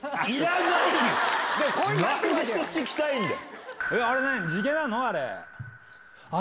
何でそっち行きたいんだよ！